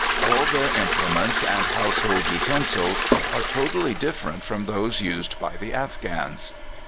All their implements and household utensils are totally different from those used by the Afghans.